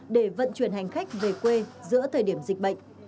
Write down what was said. để vận chuyển hành khách về quê giữa thời điểm dịch bệnh